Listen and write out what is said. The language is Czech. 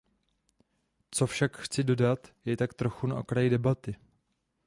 Co však chci dodat, je tak trochu na okraj debaty.